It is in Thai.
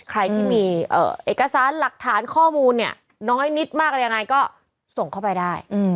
ใครที่มีเอกสารหลักฐานข้อมูลเนี่ยน้อยนิดมากอะไรยังไงก็ส่งเข้าไปได้